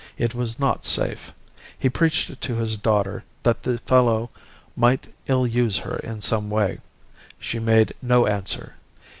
It was not safe. He preached it to his daughter that the fellow might ill use her in some way. She made no answer.